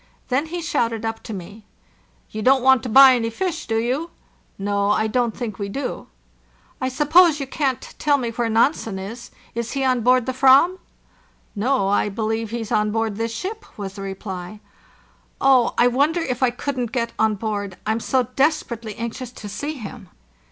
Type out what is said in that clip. Then he shouted up to me: "You don't want to buy any fish, do you ?" "No, I don't think we do." "T suppose you can't tell me where Nansen is? Is he on board the Aram 2" "No, I believe he's on board this ship," was the reply. "Oh, I wonder if I couldn't get on board? I'm so desperately anxious to see him."